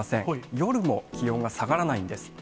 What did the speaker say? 夜も気温が下がらないんです。